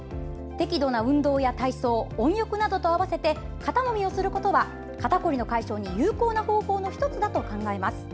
適度な運動や体操温浴などと合わせて肩もみをすることは肩凝りの解消に有効な方法の１つだと考えます。